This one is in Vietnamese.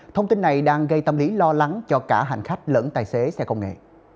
thông tin này đang gây tâm lý lo lắng cho cả hành khách lẫn tài xế xe công nghệ